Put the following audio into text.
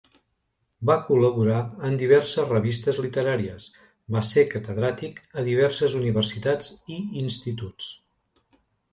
Va col·laborar en diverses revistes literàries, va ser catedràtic a diverses universitats i instituts.